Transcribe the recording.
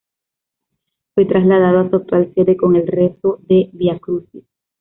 Fue trasladado a su actual sede con el rezo del Viacrucis.